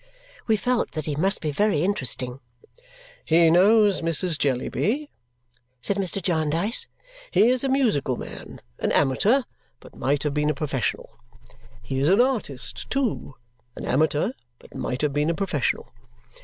We felt that he must be very interesting. "He knows Mrs. Jellyby," said Mr. Jarndyce. "He is a musical man, an amateur, but might have been a professional. He is an artist too, an amateur, but might have been a professional.